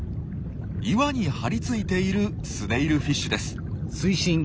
岩に張り付いているスネイルフィッシュです。